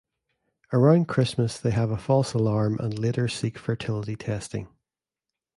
Around Christmas, they have a false alarm and later seek fertility testing.